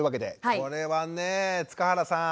これはね塚原さん。